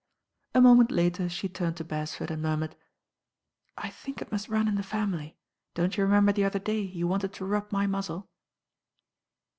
A moment later she turned to Beresford and murmured, "I think it must run in the family; don't you remember the other day you wanted to : ib my muzzle?"